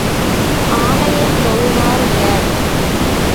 ஆலயந் தொழுவார் இலர்.